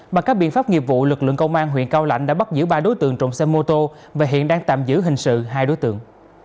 bằng các biện pháp nghiệp vụ lực lượng công an huyện cao lãnh đã bắt giữ ba đối tượng trộm xe mô tô và hiện đang tạm giữ hình sự hai đối tượng